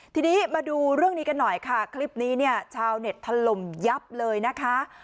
ทีนี้มาดูเรื่องนี้กันหน่อยค่ะคลิปนี้เนี่ยชาวเน็ตถล่มยับเลยนะคะ